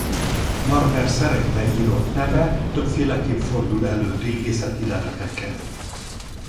Narmer szerehbe írott neve többféleképp fordul elő régészeti leleteken.